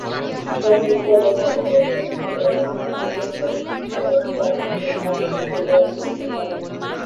পথে সড়কের গভরপুর এলাকায় মোটরসাইকেলের চালক ট্রাকটিকে পাশ কাটিয়ে যাওয়ার চেষ্টা করেন।